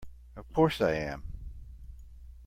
Of course I am!